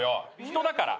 人だから。